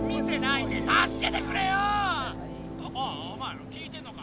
おいお前ら聞いてんのか？